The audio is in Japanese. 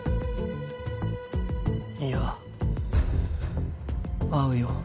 いや会うよ。